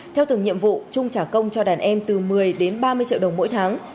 theo từng nhiệm vụ trung trả công cho đàn em từ một mươi đến ba mươi triệu đồng mỗi tháng